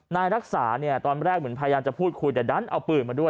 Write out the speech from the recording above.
นายรักษาเนี่ยตอนแรกเหมือนพยายามจะพูดคุยแต่ดันเอาปืนมาด้วย